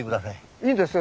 いいですか？